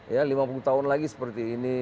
ya lima puluh tahun lagi seperti ini